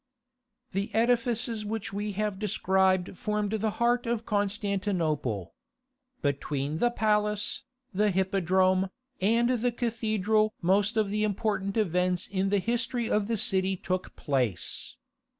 The edifices which we have described formed the heart of Constantinople. Between the Palace, the Hippodrome, and the Cathedral most of the important events in the history of the city took place.